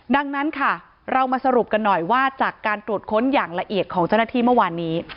ดังนั้นค่ะเรามาสรุปกันหน่อยว่าจากการตรวจค้นอย่างละเอียดของเจ้าหน้าที่เมื่อวานนี้